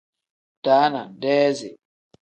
Daana pl: deezi n.